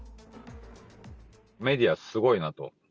メディアすごいなと。